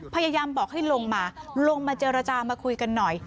พยายามบอกให้ลงมาลงมาเจรจามาคุยกันหน่อย